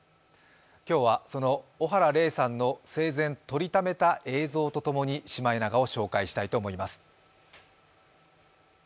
今日はその小原玲さんの生前、撮りためた映像と共にシマエナガを紹介したいと思います。